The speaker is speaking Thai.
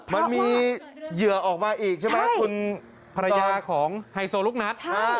มันมีเหยื่อออกมาอีกใช่ไหมคุณภรรยาของไฮโซลูกนัท